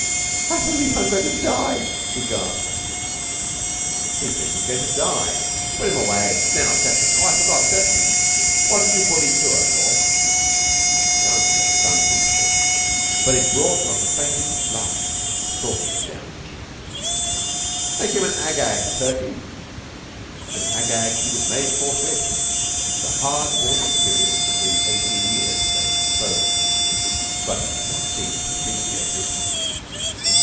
"I believe I'm goin' to die!" he gasped. "He says he is goin' to die. Put him away. Now, Sefton! Oh, I forgot! Sefton, what did you bully Clewer for?" The answer is unprintable; but it brought not the faintest flush to Stalky's downy cheek. "Make him an Ag Ag, Turkey!" And an Ag Ag was he made, forthwith. The hard bought experience of nearly eighteen years was at his disposal, but he did not seem to appreciate it.